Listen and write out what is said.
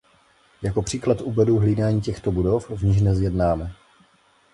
Jako příklad uvedu hlídání těchto budov, v nichž dnes jednáme.